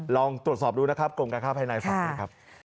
ลองตรวจสอบดูนะครับกรมการค้าภายในฝั่งนี้ครับ